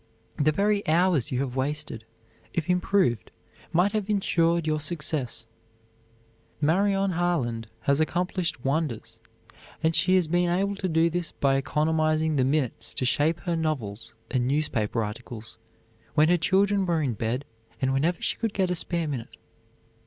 The very hours you have wasted, if improved, might have insured your success. Marion Harland has accomplished wonders, and she has been able to do this by economizing the minutes to shape her novels and newspaper articles, when her children were in bed and whenever she could get a spare minute.